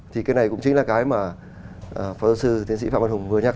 thì cái này cũng chính là cái mà phó giáo sư tiến sĩ phạm văn hùng vừa nhắc